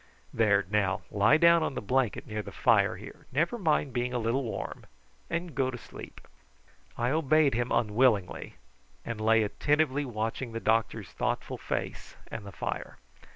There, now, lie down on the blanket near the fire here, never mind being a little warm, and go to sleep." I obeyed him unwillingly, and lay attentively watching the doctor's thoughtful face and the fire.